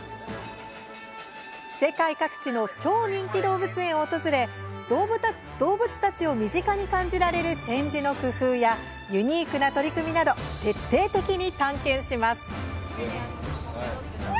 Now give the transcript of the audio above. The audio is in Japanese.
世界各地の超人気動物園を訪れ動物たちを身近に感じられる展示の工夫やユニークな取り組みなど徹底的に探検します。